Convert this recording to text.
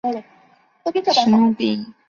史努比。